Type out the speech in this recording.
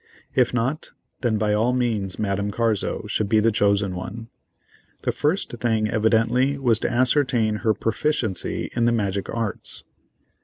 If not, then by all means Madame Carzo should be the chosen one. The first thing evidently was to ascertain her proficiency in the magic arts.